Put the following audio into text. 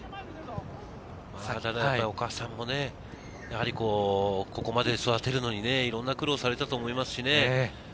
ただお母さんもね、ここまで育てるのにいろんな苦労をされたと思いますしね。